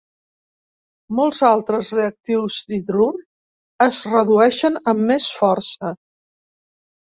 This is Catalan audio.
Molts altres reactius d'hidrur es redueixen amb més força.